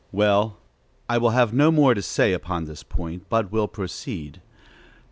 Well, I will say no more upon this point, but will proceed.